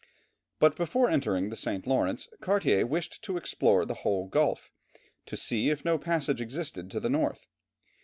But before entering the St. Lawrence, Cartier wished to explore the whole gulf, to see if no passage existed to the north.